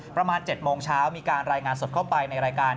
ประมาณ๗โมงเช้ามีการรายงานสดเข้าไปในรายการ